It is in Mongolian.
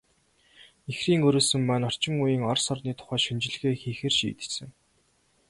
Ихрийн өрөөсөн маань орчин үеийн Орос орны тухай шинжилгээ хийхээр шийдсэн.